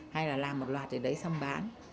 hay là làm một loạt rồi đấy xong bán